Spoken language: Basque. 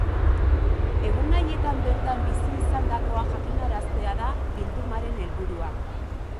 Egun haietan bertan bizi izandakoa jakin araztea da bildumaren helburua.